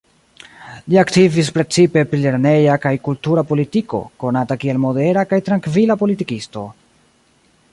Li aktivis precipe pri lerneja kaj kultura politiko, konata kiel modera kaj trankvila politikisto.